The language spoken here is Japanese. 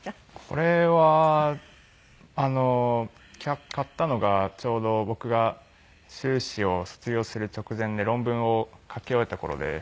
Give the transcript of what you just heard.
これは買ったのがちょうど僕が修士を卒業する直前で論文を書き終えた頃で。